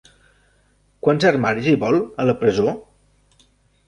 Quants armaris hi vol, a la presó?